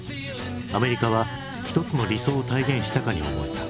アメリカは一つの理想を体現したかに思えた。